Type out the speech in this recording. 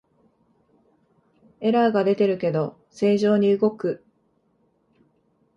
エラーが出てるけど正常に動く